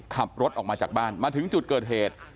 ขับรถออกมาจากบ้านมาถึงจุดเกิดเหตุ